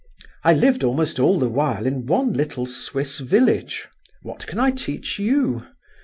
"I lived almost all the while in one little Swiss village; what can I teach you?